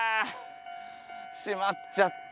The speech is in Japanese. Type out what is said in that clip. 閉まっちゃった。